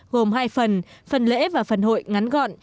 gồm hai phần phần lễ và phần hội ngắn gọn